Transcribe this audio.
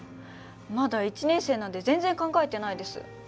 まだ１年生なんで全然考えてないです。